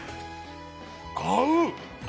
合う！